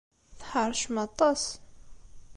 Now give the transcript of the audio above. Tḥeṛcem aṭas.